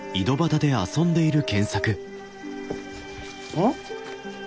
うん？